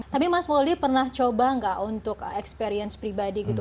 tapi mas moli pernah coba nggak untuk experience pribadi gitu